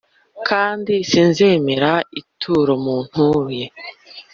kandi sinzemera ituro muntuye